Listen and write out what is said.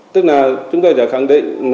tức là chúng ta sẽ khẳng định